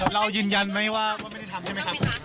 เรายืนยันไหมว่าไม่ได้ทำใช่ไหมครับ